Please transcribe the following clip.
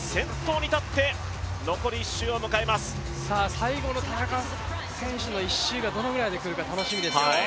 最後の田中選手の１周がどのくらいで来るか楽しみですよ。